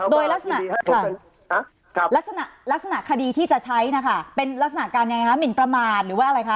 โดยลักษณะค่ะลักษณะคดีที่จะใช้นะคะเป็นลักษณะการยังไงคะหมินประมาทหรือว่าอะไรคะ